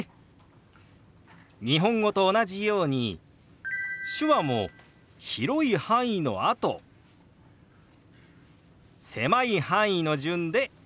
日本語と同じように手話も広い範囲のあと狭い範囲の順で表します。